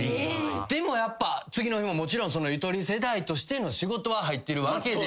でもやっぱ次の日ももちろんゆとり世代としての仕事は入ってるわけで。